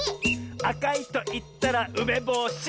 「あかいといったらうめぼし！」